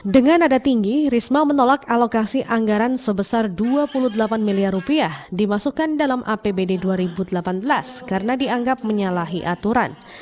dengan nada tinggi risma menolak alokasi anggaran sebesar dua puluh delapan miliar rupiah dimasukkan dalam apbd dua ribu delapan belas karena dianggap menyalahi aturan